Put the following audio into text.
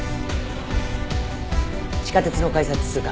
地下鉄の改札通過。